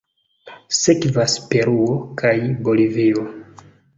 Sekvas Peruo kaj Bolivio.